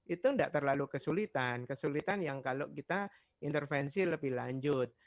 itu tidak terlalu kesulitan kesulitan yang kalau kita intervensi lebih lanjut